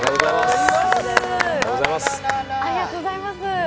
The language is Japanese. ありがとうございます。